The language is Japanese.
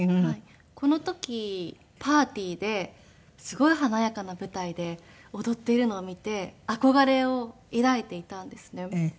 この時パーティーですごい華やかな舞台で踊っているのを見て憧れを抱いていたんですね。